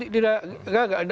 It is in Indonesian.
tidak tidak gagal